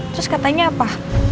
terus katanya apa